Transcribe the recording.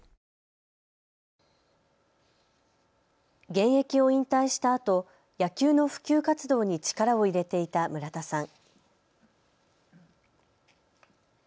現役を引退したあと野球の普及活動に力を入れていた村田さん。